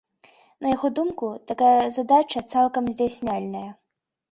На яго думку, такая задача цалкам здзяйсняльная.